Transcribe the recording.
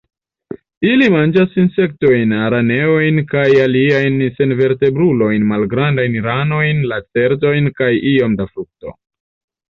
Ili manĝas insektojn, araneojn kaj aliajn senvertebrulojn, malgrandajn ranojn, lacertojn kaj iom da frukto.